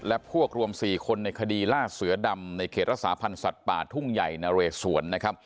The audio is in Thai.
และพวกรวม๔คนในคดีล่าเสือดำในเขตรักษาพันธ์สัตว์ป่าทุ่งใหญ่นะเรสวนนะครับ